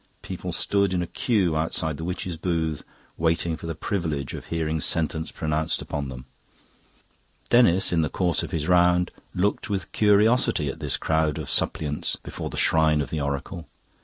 People stood in a queue outside the witch's booth waiting for the privilege of hearing sentence pronounced upon them. Denis, in the course of his round, looked with curiosity at this crowd of suppliants before the shrine of the oracle.